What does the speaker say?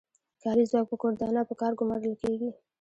کاري ځواک په کور دننه په کار ګومارل کیږي.